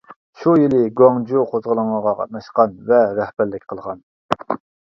شۇ يىلى گۇاڭجۇ قوزغىلىڭىغا قاتناشقان ۋە رەھبەرلىك قىلغان.